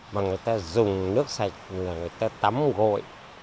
mà người ta dùng nước sạch là người ta tắm gội